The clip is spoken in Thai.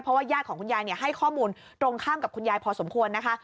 เพราะว่าญาติของคุณยายให้ข้อมูลตรงข้ามกับคุณยายพอสมควรนะคะ